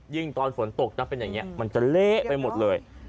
ตอนฝนตกนะเป็นอย่างนี้มันจะเละไปหมดเลย